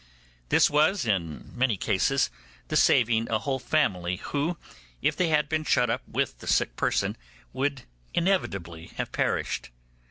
This was, in many cases, the saving a whole family, who, if they had been shut up with the sick person, would inevitably have perished.